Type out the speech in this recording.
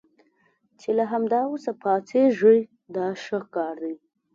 چې له همدا اوس پاڅېږئ دا ښه کار دی.